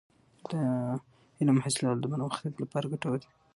د علم حاصلول د پرمختګ لپاره ګټور دی.